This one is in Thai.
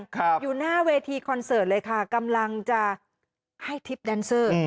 ครับอยู่หน้าเวทีคอนเสิร์ตเลยค่ะกำลังจะให้ทริปแดนเซอร์